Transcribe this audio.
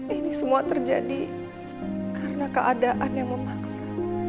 ini semua terjadi karena keadaan yang memaksa